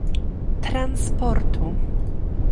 Transportu